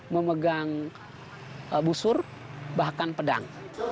memegang busur bahkan pedang